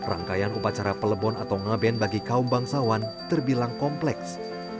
rangkaian upacara pelebon atau ngaben bagi kaum bangsawan terbilang kompleks